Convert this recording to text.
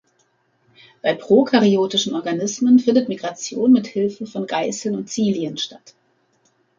Bei prokaryotischen Organismen findet Migration mit Hilfe von Geißeln und Cilien statt.